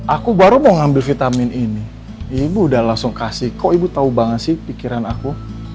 aku baru mau ngambil vitamin ini ibu udah langsung kasih kok ibu tahu banget sih pikiran aku